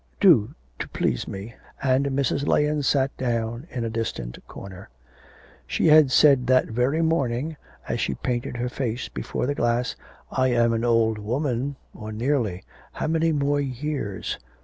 Do, to please me,' and Mrs. Lahens sat down in a distant corner. She had said that very morning, as she painted her face before the glass, 'I am an old woman, or nearly. How many more years?